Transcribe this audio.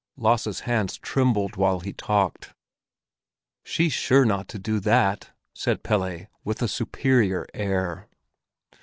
Lasse's hands trembled while he talked. "She's sure not to do that," said Pelle, with a superior air.